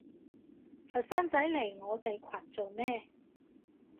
佛山仔嚟我哋群做乜？